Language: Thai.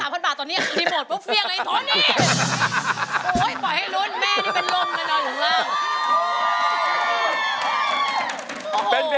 โอ้โฮยปล่อยให้รู้แม่นี่เป็นลมเลย